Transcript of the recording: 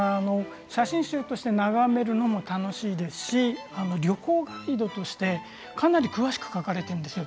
写真集として眺めるのも楽しいですし旅行ガイドとしてかなり詳しく書かれているんですよ。